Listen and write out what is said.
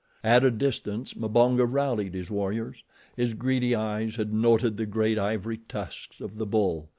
At a distance Mbonga rallied his warriors. His greedy eyes had noted the great ivory tusks of the bull.